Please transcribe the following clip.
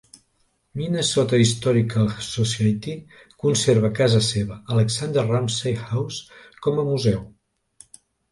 Minnesota Historical Society conserva casa seva, Alexander Ramsey House, com a museu.